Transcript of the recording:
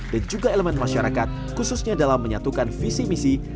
dan juga elemen masyarakat khususnya dalam menyatukan visi misi